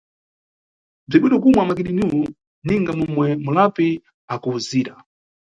Bziribwino kumwa makininiyo ninga momwe mulapi akuwuzira.